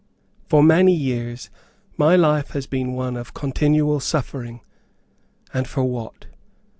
For many years my life has been one of continual suffering; and for what?